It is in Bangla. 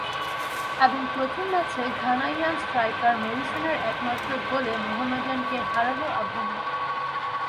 এবং প্রথম ম্যাচে ঘানাইয়ান স্ট্রাইকার মরিসনের একমাত্র গোলে মোহামেডানকে হারাল আবাহনী।